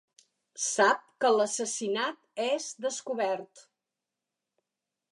Sap que l'assassinat és descobert.